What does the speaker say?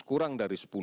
kurang dari sepuluh